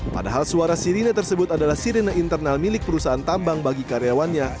padahal suara sirine tersebut adalah sirine internal milik perusahaan tambang bagi karyawannya